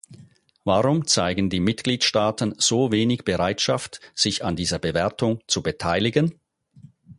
Warum zeigen die Mitgliedstaaten so wenig Bereitschaft, sich an dieser Bewertung zu beteiligen?